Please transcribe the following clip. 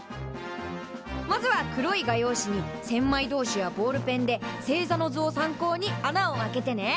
まずは黒い画用紙に千枚通しやボールペンで星座の図を参考に穴を開けてね。